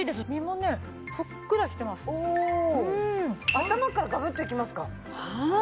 頭からガブッといきますか。